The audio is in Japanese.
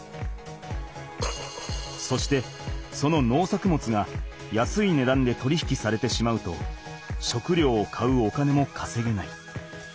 そしてその農作物が安い値段で取り引きされてしまうと食料を買うお金もかせげない。